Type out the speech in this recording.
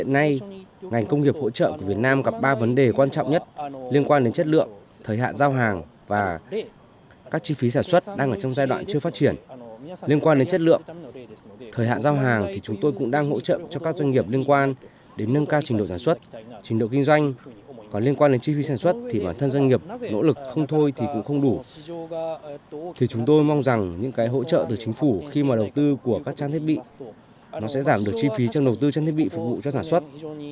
nỗ lực không thôi thì cũng không đủ thì chúng tôi mong rằng những cái hỗ trợ từ chính phủ khi mà đầu tư của các trang thiết bị nó sẽ giảm được chi phí trong đầu tư trang thiết bị phục vụ cho sản xuất